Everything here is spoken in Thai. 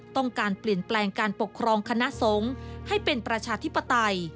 ต้องการเปลี่ยนแปลงการปกครองคณะสงฆ์ให้เป็นประชาธิปไตย